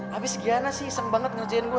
habis giana sih seneng banget ngerjain gue